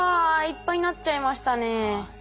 いっぱいになっちゃいましたね。